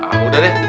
ah udah deh